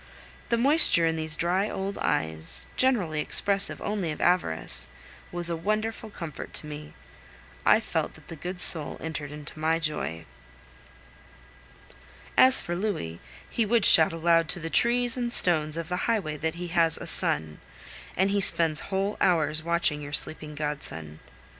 The moisture in these dry old eyes, generally expressive only of avarice, was a wonderful comfort to me. I felt that the good soul entered into my joy. As for Louis, he would shout aloud to the trees and stones of the highway that he has a son; and he spends whole hours watching your sleeping godson.